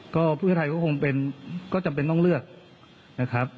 ก็เพื่อไทยก็คงเป็นก็จำเป็นต้องเลือกนะครับ